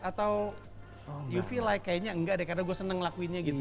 atau you fee like kayaknya enggak deh karena gue seneng ngelakuinnya gitu